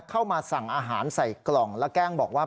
เข้ามาสั่งอาหารใส่กล่องแล้วแกล้งบอกว่า